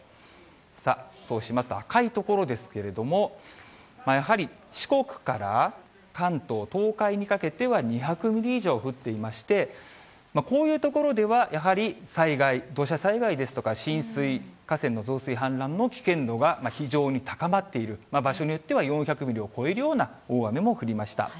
さあ、そうしますと赤い所ですけれども、やはり四国から関東、東海にかけては２００ミリ以上降っていまして、こういう所ではやはり災害、土砂災害ですとか浸水、河川の増水・氾濫の危険度が非常に高まっている、場所によっては４００ミリを超えるような大雨も降りました。